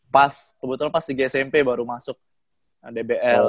pas kebetulan pas tiga smp baru masuk dbl